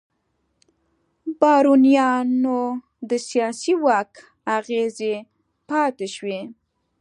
بارونیانو د سیاسي واک اغېزې پاتې شوې.